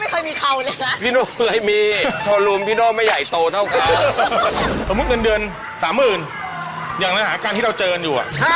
สวัสดีครับ